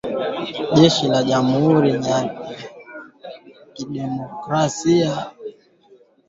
Jeshi la Jamhuri ya kidemokrasia ya Kongo lilisema kwamba waasi kwa msaada wa jeshi la Rwanda, walishambulia kambi za Tchanzu na Runyonyi.